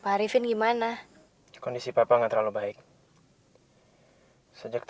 beberapa saat crisashi aku cari karena kemojot